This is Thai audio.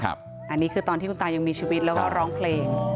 อันนี้คือตอนที่คุณตายังมีชีวิตแล้วก็ร้องเพลง